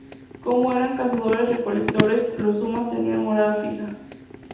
Como eran cazadores-recolectores, los sumas tenían morada fija.